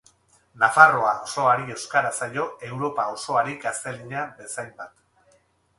Nafarroa osoari euskara zaio Europa osoari gaztelania bezainbat.